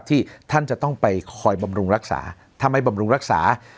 ที่ท่านจะต้องไปคอยบำรุงรักษาถ้าไม่บำรุงรักษา